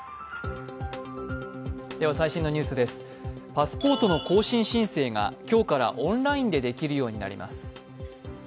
パスポートの更新申請が今日からオンラインでできるようになります。